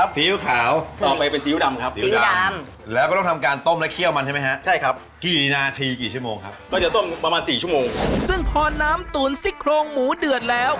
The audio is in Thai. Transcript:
ซึ่งตอนน้ำตุรีสี่โครงหมูเดือดแล้ว